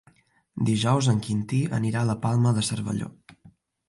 Dijous en Quintí anirà a la Palma de Cervelló.